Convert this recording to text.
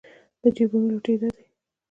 د جېبونو لوټېده دي